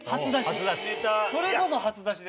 それこそ初出しです。